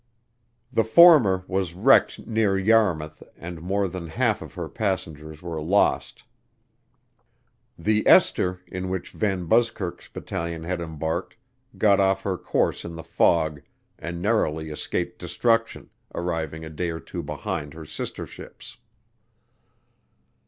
The former was wrecked near Yarmouth and more than half of her passengers were lost. The "Esther," in which VanBuskirk's battalion had embarked, got off her course in the fog and narrowly escaped destruction, arriving a day or two behind her sister ships.